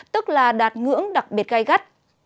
tức là đạt ngưỡng đặc biệt gây gắt